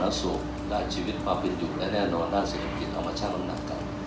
ด้านสนับสุขด้านชีวิตความเป็นอยู่และแน่นอนด้านศักดิ์ภิกษ์เอามาช่างลำหนักกัน